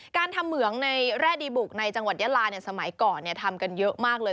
การทำเหมืองในแร่ดีบุกในจังหวัดยาลาสมัยก่อนทำกันเยอะมากเลย